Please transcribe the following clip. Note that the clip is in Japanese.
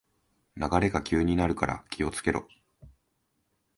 流れが急になるから気をつけろ